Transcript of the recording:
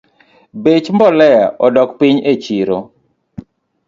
Bech mbolea odok piny echiro